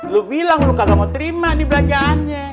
lu bilang lu kagak mau terima nih belanjaannya